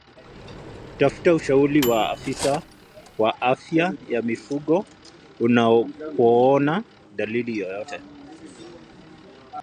Tafuta ushauri wa afisa wa afya ya mifugo unapoona dalili yoyote